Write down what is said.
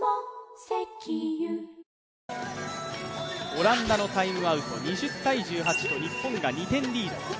オランダのタイムアウト２０−１８で日本が２点リード。